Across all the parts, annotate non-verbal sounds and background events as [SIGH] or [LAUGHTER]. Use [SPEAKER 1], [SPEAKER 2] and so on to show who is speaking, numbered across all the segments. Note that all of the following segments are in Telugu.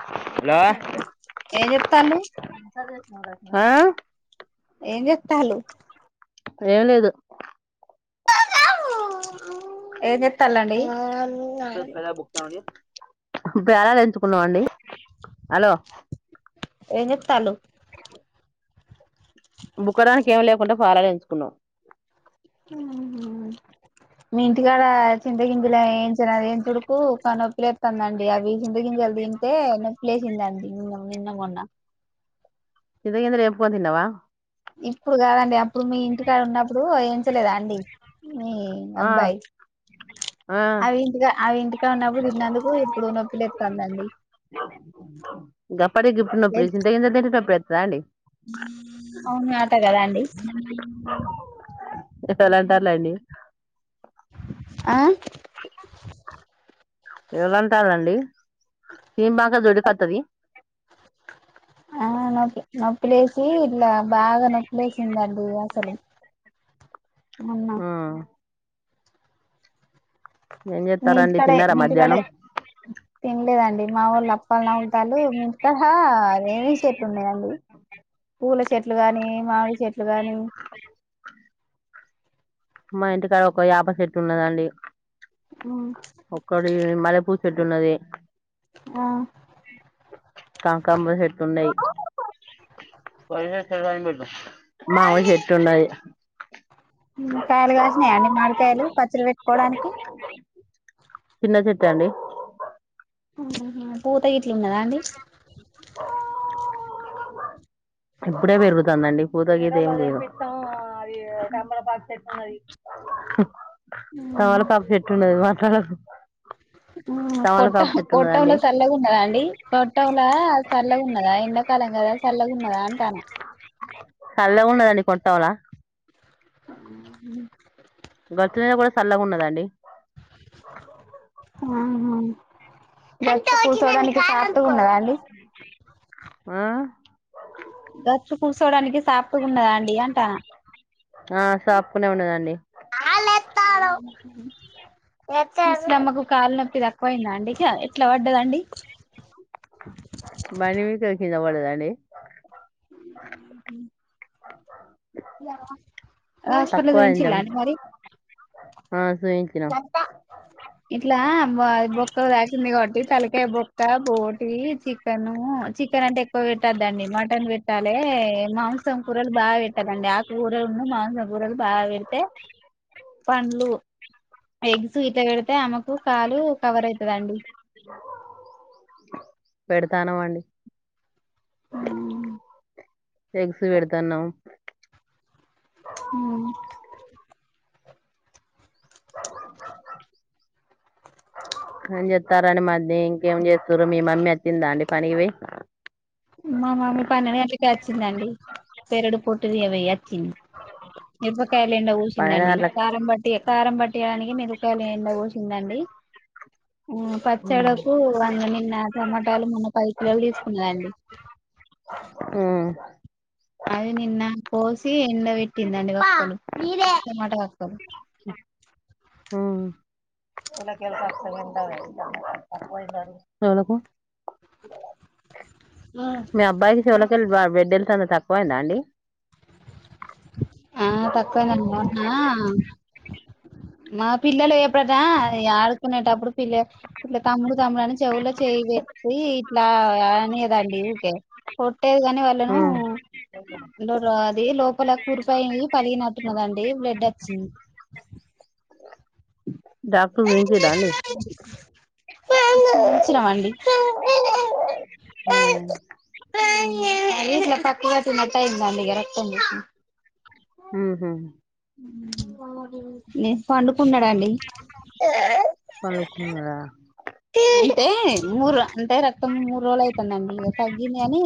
[SPEAKER 1] హలో
[SPEAKER 2] తాళ్ళు
[SPEAKER 1] ఆ
[SPEAKER 2] ఏం చెత్తాళ్లు
[SPEAKER 1] ఏం లేదు
[SPEAKER 2] ఏం చెస్తాలండి
[SPEAKER 1] [UNINTELLIGIBLE] ఇప్పుడు పేలాలు ఎంచుకున్నాం అండి హలో
[SPEAKER 2] ఏంచేత్తాలు
[SPEAKER 1] బుక్కడానికి ఏం లేకుంటె పేలాలు ఎంచుకున్నాం
[SPEAKER 2] మీ ఇంటికాడ చింతగింజలు ఏంచిన ఎంచుడుకూ ఇంకా నొప్పిలేత్తందండి అవి చింతగింజలు తింటే నొప్పి లేసిందండి నిన్న మొన్న
[SPEAKER 1] చింత గింజలు ఏంపుకొని తిన్నావా
[SPEAKER 2] ఇప్పుడు కాదండి అప్ అప్పుడు మీ ఇంటికాడ ఉన్నప్పుడు ఏం లేదా అండి మీ
[SPEAKER 1] ఆ
[SPEAKER 2] అబ్బాయి
[SPEAKER 1] ఆ
[SPEAKER 2] అవి ఇంటికా అవి ఇంటికాడ ఉన్నప్పుడు తిన్నందుకు ఇప్పుడు నొప్పిలేత్తందండి
[SPEAKER 1] గప్పటి గిప్పుడు నొప్పి చింత గింజలు తింటే నొప్పి అండి
[SPEAKER 2] అవునాట కదా అండి.
[SPEAKER 1] ఎవరు అంటాలండి
[SPEAKER 2] ఆ
[SPEAKER 1] ఎవలాంటలండి [UNINTELLIGIBLE] దొడ్డికొత్తది
[SPEAKER 2] ఆ నొప్పి నొప్పిలేసి ఇట్లా బాగా నొప్పిలేసిందండి అసలు మొన్న
[SPEAKER 1] ఆ ఏం
[SPEAKER 2] మీ
[SPEAKER 1] చేస్తారండి
[SPEAKER 2] ఇంటికాడే
[SPEAKER 1] తిన్నారా
[SPEAKER 2] మీ ఇంటికాడే
[SPEAKER 1] మధ్యాహ్నం
[SPEAKER 2] తినలేదండి మా వొళ్ళు అప్పలు నవ్లుతాలు ఇంటికాడ ఏమేం చెట్లు ఉన్నయండి పూల చెట్లు చెట్లు గాని, మామిడి చెట్లు ట్లు గాని
[SPEAKER 1] మా ఇంటికాడ ఒక యాప సెట్టు ఉన్నదండి
[SPEAKER 2] ఉమ్,
[SPEAKER 1] ఒక్కడి మల్లెపూ చెట్టున్నది
[SPEAKER 2] ఆ
[SPEAKER 1] కనకాంబరం చెట్టు ఉన్నయి మావిడి చెట్టున్నది
[SPEAKER 2] ఉమ్, కాయలు కాసినాయండి మాడికాయలు పచ్చడి పెట్టుకోడానికి
[SPEAKER 1] చిన్న చెట్టే అండి
[SPEAKER 2] హుహుహు పూత ఇ
[SPEAKER 1] ఇప్పుడే పెరుగుతందండి పూత గీత ఏం లేదు యే సంబర పడితే అది
[SPEAKER 2] ఉమ్,
[SPEAKER 1] తమలపాకు చెట్టున్నది మ హ
[SPEAKER 2] హ్మ్ కొట్ట కొట్టంల చల్లగా ఉన్నదా అండి కొట్టంలా చల్లగా ఉన్నదా ఎండాకాలం కదా చల్లగా ఉన్నదా అంటాన
[SPEAKER 1] చల్లగా ఉన్నదండి కొంటంలా
[SPEAKER 2] హుహ్
[SPEAKER 1] గచ్చుమీద కూడా సల్లగా ఉన్నదండి
[SPEAKER 2] ఆహా గ కుర్చోడానికి సాప్టుగా ఉన్నదా అండి
[SPEAKER 1] ఆ
[SPEAKER 2] గచ్చు కుసోడానికి
[SPEAKER 1] ఆ సాప్గానే ఉన్నదండి
[SPEAKER 2] మ్మకు కాలు నొప్పి తక్కువయిందా అండి ఇకా ఎట్లా పడ్డదండి
[SPEAKER 1] బనీ మీ కకిినవడద అండి అ
[SPEAKER 2] రాష్టపల్ దూనించ
[SPEAKER 1] అయిందాం
[SPEAKER 2] అ మరి
[SPEAKER 1] ఆ చూయించినాం
[SPEAKER 2] చె ఇట్లా బొక్క దాసింది కాబట్టి తలకాయ బొక్క బోట్ టి చికెను చికెన్ అంటే తకువ పెట్టద్దండి మటన్ పెట్టాలి మాంసం కూరలు బాగా పెట్టదండి ఆకు కూూరలున్న మాంసం కూరలు బాగా పెడితే పండ్లు ఎగ్స్ ఇతే వెడతే అమకు కాలు కవర్ అవుతుంది అండి
[SPEAKER 1] తానుండి
[SPEAKER 2] హ్మ్మ
[SPEAKER 1] ఎగ్స్ పెడదాన్నావు
[SPEAKER 2] అవును
[SPEAKER 1] అని చెప్తారని మధ్య ఇంకేం చేస్తారు మీ మమ్మీ వచ్చిందా అండి పనివి
[SPEAKER 2] మా మమ్మీ పన్నెండు అవచ్చి మీరాపకాయలెంండ
[SPEAKER 1] పన్నెండు
[SPEAKER 2] ఊసిందండి
[SPEAKER 1] గంటలకు
[SPEAKER 2] కారంబట్టి కారంబట్టి ేయడానికి మరుపాయలు ఏండ వసిందండి పచ్చడుకు వంద నిన్న టమాటాలు మొన్న పది కిలోలు తీసుకున్నదండి
[SPEAKER 1] హ్మ్మ్
[SPEAKER 2] అది నిన్న పోసి ఎండ పెట్టిందండి వక్కలు టమాట వక్కలు
[SPEAKER 1] హ్మ్మ్ మీ అబా కస వాళ బిడ్డల్స్ అంత తక్కువయిందా అండి
[SPEAKER 2] ఆ త పోయినండిన్నా మా పిల్లలు ఎప్పుడట ఆడుకునేటప్పుడు పిల్ల పిల్ల తమ్ముడు మ్రాని చెవులో చేయి పెట్టి ఇట్లా అనేదండి ఓకే పట్టేది కాని వాళ్ళను
[SPEAKER 1] ఉమ్
[SPEAKER 2] అది లోప కురిపాయి పలిగనట్టున్నదండి బ్లడ్ వచ్చింది
[SPEAKER 1] డాక్టర్ గురిించదాడి
[SPEAKER 2] అండి
[SPEAKER 1] ఆ
[SPEAKER 2] ఇ చకువతి మతాయి న అందిగ రక్తం
[SPEAKER 1] హ్మ్మ్
[SPEAKER 2] ఉ న పండుకున్నాడంండి
[SPEAKER 1] పనుకున్నారా
[SPEAKER 2] రక్తం మూడు రోజులు అయితుందండి ఇగ తగ్గింది కాని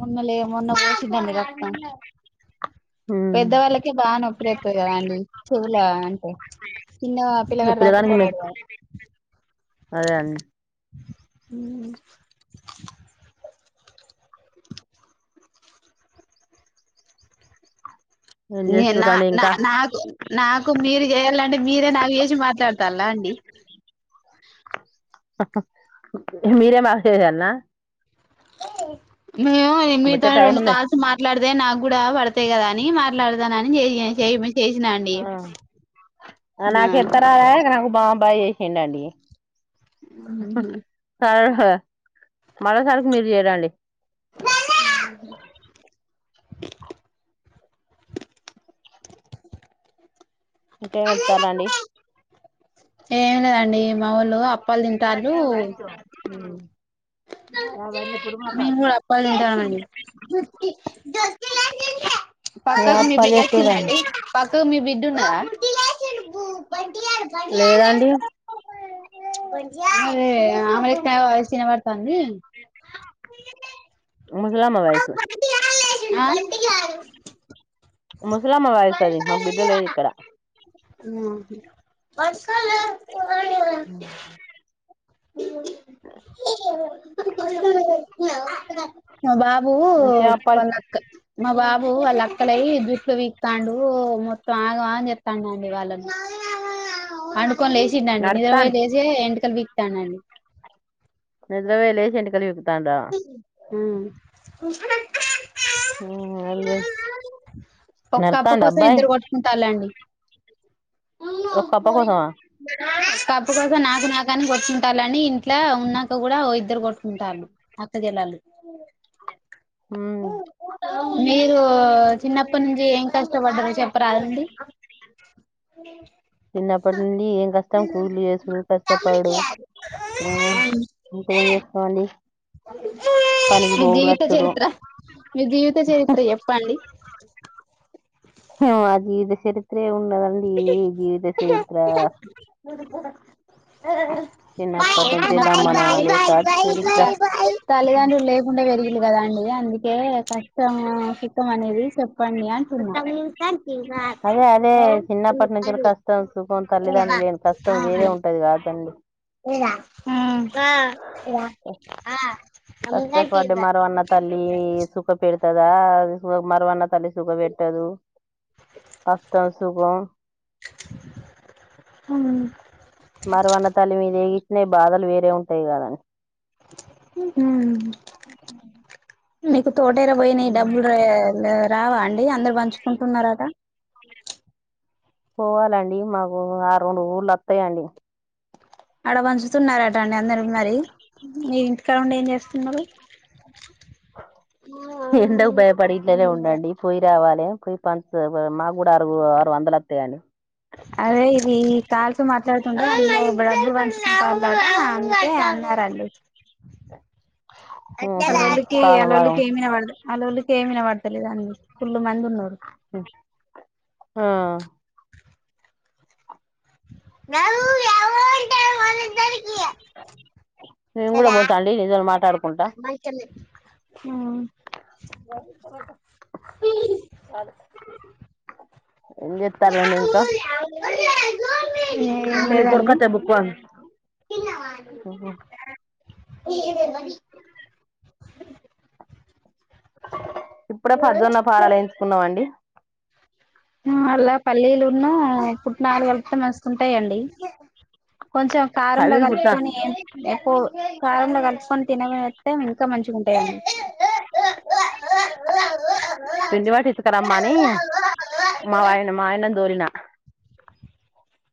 [SPEAKER 2] మొన్న లేవలే మన బసిధని రతా పెద్దవాళ్ళకే బాగా నొప్పుిరెతుంది కదాండి చెవుల అంటే ఇన్న
[SPEAKER 1] ఈ
[SPEAKER 2] పిల్లగారు
[SPEAKER 1] పిల్లగానికి మీ
[SPEAKER 2] తట్టుకోలేదు
[SPEAKER 1] అదే అండి
[SPEAKER 2] అ
[SPEAKER 1] ఏం
[SPEAKER 2] నే నా
[SPEAKER 1] చేస్తురండి
[SPEAKER 2] నా
[SPEAKER 1] ఇంకా
[SPEAKER 2] నాకు నాకు మీరు చేయాలంటే మీరే నాకు చేసి మాట్లాడత అండి
[SPEAKER 1] మీరే మాషసాలన్నా
[SPEAKER 2] ఏ మేము
[SPEAKER 1] వచ్చే
[SPEAKER 2] మీతో
[SPEAKER 1] టైం
[SPEAKER 2] రెండు
[SPEAKER 1] ఉన్నది
[SPEAKER 2] కాల్స్ మాట్లాడ్తే నాక్గుడా పడ్తయి కదా అ నీ మాట్లాడ్ సానని చేయి చే చేసినా అండి ఆ
[SPEAKER 1] ఏంటండి. ఆ హ మరోసారిక్ మీరు చేయరండి ఇంకేం ఎత్తాలండి
[SPEAKER 2] ఏం లేదండి మా వోళ్ళు అప్పాల్ తింటాంరు
[SPEAKER 1] హ
[SPEAKER 2] మేం గుడ అప్పాల్ తింటాన్నమండి. పక్కకు మీ
[SPEAKER 1] అప్పలు
[SPEAKER 2] బిడ్డ అచ్చిందా
[SPEAKER 1] చెత్తరండి
[SPEAKER 2] అండి. పక్కకు మీ బిడ్ డ్డున్నదా
[SPEAKER 1] లేదండి.
[SPEAKER 2] మరే ఆమె లెక్కనే వాయిస్ ఇనబ తాంది.
[SPEAKER 1] ముసలమ్మ వయసు
[SPEAKER 2] ఆ
[SPEAKER 1] ముస్లమ్మ వాయిస్ అది మా బిడ్డలేద్ ఇక్కడ
[SPEAKER 2] [UNINTELLIGIBLE]
[SPEAKER 1] మ్ హ్
[SPEAKER 2] మా బాబు
[SPEAKER 1] ఇంకేం అప్పాలు
[SPEAKER 2] వాళ్ళ అక్క మా బాబు వాళ్ళక్కలయి జుట్లు వీక్తాండు మొ ఆగ మా చెప్పండండి వాళ్ళను పండు కొని లేచిండండి నిద్రపోయి
[SPEAKER 1] నడుత్తాండు
[SPEAKER 2] లేచే ఎంటికల్ పీ తానండి
[SPEAKER 1] ఇప్పుడే లేచి ఎంటికల్ పీకు తాండా
[SPEAKER 2] ఆ
[SPEAKER 1] ఏం లేదు
[SPEAKER 2] ఒక్క అప్ప
[SPEAKER 1] నడతాండ
[SPEAKER 2] కోసం
[SPEAKER 1] అబ్బాయి
[SPEAKER 2] ఇద్దర్ కొట్టుకుంటాన్లండి.
[SPEAKER 1] ఒక కప్ప కోసమా
[SPEAKER 2] కప్పు కోసం నాకు నాక్ కని కొట్టుకుంటాన్లని ఇంట్లా ఉన్నంక గుడా అగొ ఇద్దరు కొట్టుకుంటాన్లు. అక్క చెల్లలు.
[SPEAKER 1] ఉమ్
[SPEAKER 2] మీరూ చిన్నప్పట్ నుంచి ఏం కష్టపడ్డరో చెప్పరాదండి. అ
[SPEAKER 1] చిన్నప్పటి నుండి ఏం కష్టం కూళ్లు చేసు కష్టపడు ఆ ఇంక ఏం చేసుకోవాలి
[SPEAKER 2] మీ జీవిత చరిత్ర మీ జీవిత చరిత్ర చెప్పండి
[SPEAKER 1] అది జీవిత చరిత్ర ఏముంది చెప్పండి ఈ జీవిత చరిత్ర చిన్నప్పటి నుంచి అమ్మ నాన్న లేక చరిత్ర
[SPEAKER 2] తల్లిదండ్రులు లేకుండా పెరిగిలి కదా అండి అందుకే కష్టం చితం అనేది చెప్పండి అంటున్న
[SPEAKER 1] అదే అదే చిన్నప్పుడు అప్పటి నుంచి కష్టం సుఖం తల్లిదండ్రు లేని కష్టం వేరే ఉంటది కాదు చండి
[SPEAKER 2] అవునా ఆ ఆ అమ్మకంటే
[SPEAKER 1] కష్టపడ్డ
[SPEAKER 2] ఇవ్వరు
[SPEAKER 1] మర అన్న తల్లి సుఖ పెడుతుంది దా అది మరవన్న తల్లి సుఖం పెట్టదు కష్టం సుఖం
[SPEAKER 2] హ్మ్
[SPEAKER 1] అదే బాధలు వేరే ఉంటాయి కాదని
[SPEAKER 2] హ్మ్ న తోటేర పోయినాయి డబ్బులు రావా అండి అందుకు పంచుకుంటున్నారంట
[SPEAKER 1] పోవాలండి మాకు ఆ రెండు ఊర్ళ వస్తాయండి
[SPEAKER 2] ఆడ పంచు వస్తున్నారట అండి అందరు మరి ఇంట్లో ఇక్కడ ఉండి ఏం జేస్తున్నరు
[SPEAKER 1] ఎండకు భయపడిఇట్లనే ఉండండి పోయి రావాలే యి ప చూ ఊ మాకు గూడ అరు ఆరు వందలత్తయండీ
[SPEAKER 2] [UNINTELLIGIBLE] అంటే అన్నారండి
[SPEAKER 1] ఉహు
[SPEAKER 2] అలోలికి
[SPEAKER 1] కాలవరం
[SPEAKER 2] ఆలోలికి ఏమి ఇనవడత లే ఆలోలికి ఏమీ ఇనబడత లేదు అన్ని ఫుల్లు మంది ఉ
[SPEAKER 1] ఆ
[SPEAKER 2] న [UNINTELLIGIBLE]
[SPEAKER 1] మేము కూడ
[SPEAKER 2] కదా
[SPEAKER 1] పోతా అండి నిజ మాట్లాడుకుంటా
[SPEAKER 2] ఆ
[SPEAKER 1] ఆ
[SPEAKER 2] ఎ ఏం
[SPEAKER 1] నీ కొడుకత్తే బుక్
[SPEAKER 2] లేదండి ఏన్న [UNINTELLIGIBLE]
[SPEAKER 1] ఇప్పుడే పజోన్న పాలాలు ఎయించుకున్నమండి
[SPEAKER 2] అల్ల పల్లీలు ఉన్న పుట్నాలు కలిపితే మస్తు ఉంటయంండి కొంచెం కారంలో
[SPEAKER 1] పల్లీలు పుట్ట
[SPEAKER 2] కలుపుకొని ఏం పో కారంలో కలు కొన్ తినవే యత్ ఉంటే ఇంక మంచిగ ఉంటయండి
[SPEAKER 1] పిండి పట్టి ఇసుకరమ్మ అని మా ఆయన మాయనన్ దోలిన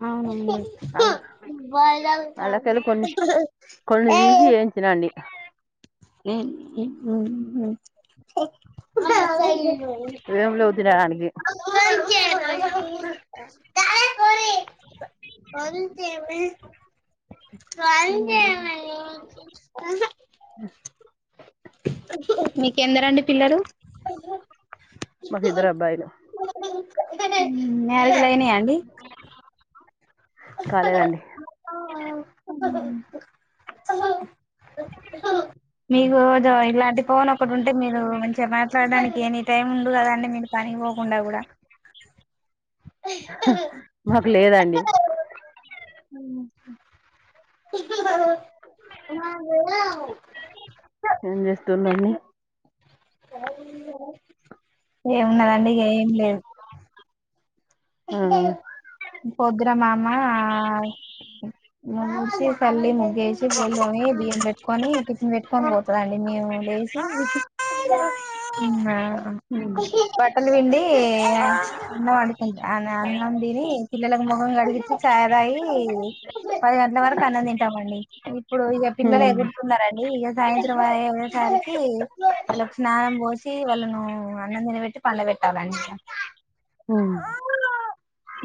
[SPEAKER 2] అవునండీ
[SPEAKER 1] అలా
[SPEAKER 2] బదగు
[SPEAKER 1] అలాకెళ్ళి
[SPEAKER 2] క ఏ
[SPEAKER 1] కొన్ని కొన్ని తీసి
[SPEAKER 2] [UNINTELLIGIBLE]
[SPEAKER 1] వేయించినా అండి
[SPEAKER 2] ఉ ఉ ఉ ఉ
[SPEAKER 1] ఏము లేవు తినడానికి
[SPEAKER 2] అక [UNINTELLIGIBLE] తాఏయే వంతె ఉ న్ వల్ చేయ్ ఏ హహ్ మీకెందరండి పిల్లలు
[SPEAKER 1] మాకు ఇద్దరు అబ్బాయిలు
[SPEAKER 2] [UNINTELLIGIBLE] అయినయ అండి
[SPEAKER 1] కాలేదండి
[SPEAKER 2] తప్ప చ మీకుదో ఇలాంటి ఫోన్ ఒకటి ఉంటే మీరు మంచిగా మాట్లాడడానికి ఎనీ టైం ఉండు కదా అండి మీరు పని గుడాగడా
[SPEAKER 1] మాకు లేదండి
[SPEAKER 2] బ
[SPEAKER 1] ఏం చేస్తున్నాని
[SPEAKER 2] ఏ ఏమున్నదండి ఏం లేదు
[SPEAKER 1] ఆ
[SPEAKER 2] పొద్దున మామా మంచి తల్లి ను చేసి బొండ మే బియ్యం బెట్ కొని టిఫన్ పెట్టుకొని పోతదండి మేము లేసి ఆ బట్టలు విండి ఏం దో అండి ఆనా అన్నం తిని పిల్లలకు ముఖం కడిగించి చాయి తాగి, పది గంటల వరకు అన్నం తింటామండి, ఇప్పుడు ఇక పిల్లలు ఎగుడుతున్నారండి ఇగ సాయంత్రం అయ్యేసరికి వాళ్ళకి స్నానం పోసి వాళ్ళను అన్నం తినబెట్టి పండ పెట్టాలండి ఇక.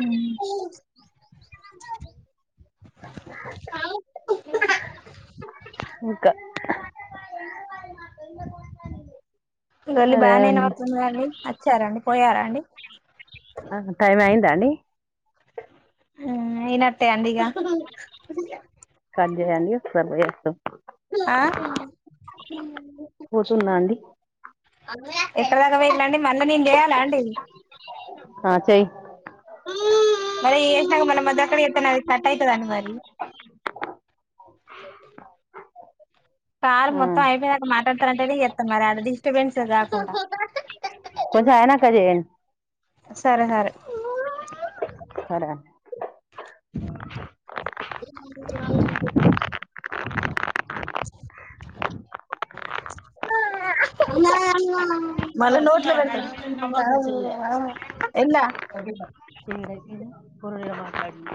[SPEAKER 2] ఉమ్ హలో
[SPEAKER 1] ఇంకా
[SPEAKER 2] వెళ్ళి
[SPEAKER 1] సరే
[SPEAKER 2] బానే
[SPEAKER 1] అండి
[SPEAKER 2] ఇనబడుతుంది కదండి వచ్చార అండి పోయారా అండి
[SPEAKER 1] టైం అయిందా అండి
[SPEAKER 2] హ్ ఇన అట్టే అండి ఇగ
[SPEAKER 1] కట్ చేయండి సర్ర ఏ స్
[SPEAKER 2] ఆ
[SPEAKER 1] పోతున్నా అండి
[SPEAKER 2] ఎక్కడి దాక్ వెళ్ళండి మళ్ళీ నేన్ చేయాలా అండి
[SPEAKER 1] ఆ చెయ్యి
[SPEAKER 2] మరి ఏ స్ నాగ మళ్ళ మద్దెక్కడ ఏతే నాది కట్ అయితాదండి మరి కాల్
[SPEAKER 1] ఆ
[SPEAKER 2] మొత్తం అయిపోయిదాక మాట్లాడతాదాంటేనే ఎత్తా మరి ఆడ డిస్టర్బెన్స్ కాకుండా
[SPEAKER 1] కొంచెం అయనాక జేయిన్
[SPEAKER 2] సరే సరే
[SPEAKER 1] సరే
[SPEAKER 2] మళ్ళ నో ట్లో పెడితే మాము ఆడ చూడలే ఆ ఎలా
[SPEAKER 1] ఇ పరుళ మాట్డి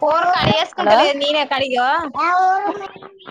[SPEAKER 2] ఫోన్ కడ
[SPEAKER 1] హలో
[SPEAKER 2] ఎసుకుంటలే ననే కడిగి ఓ ఆ